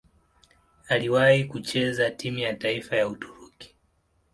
Aliwahi kucheza timu ya taifa ya Uturuki.